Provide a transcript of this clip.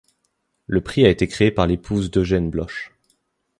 Le prix a été créé par l'épouse d'Eugène Bloch.